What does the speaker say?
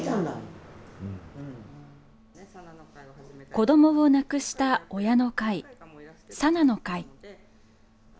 子どもを亡くした親の会Ｓａｎａの会。